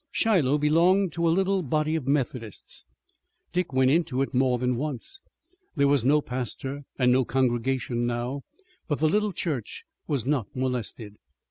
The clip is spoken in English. Shiloh belonged to a little body of Methodists. Dick went into it more than once. There was no pastor and no congregation now, but the little church was not molested.